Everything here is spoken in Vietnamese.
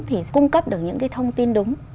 thì cung cấp được những cái thông tin đúng